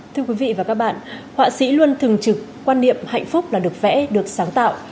thưa quý vị và các bạn họa sĩ luôn thường trực quan niệm hạnh phúc là được vẽ được sáng tạo